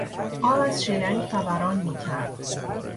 آب از شیلنگ فوران میکرد.